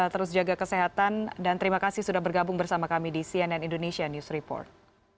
terus jaga kesehatan dan terima kasih sudah bergabung bersama kami di cnn indonesia news report